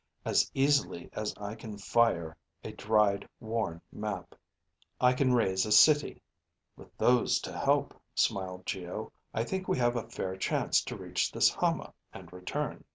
As easily as I can fire a dried, worn map, I can raze a city." "With those to help," smiled Geo, "I think we have a fair chance to reach this Hama, and return."